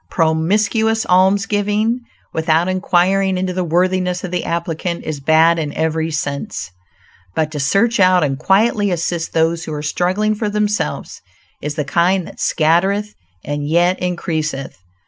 Promiscuous almsgiving, without inquiring into the worthiness of the applicant, is bad in every sense. But to search out and quietly assist those who are struggling for themselves, is the kind that "scattereth and yet increaseth."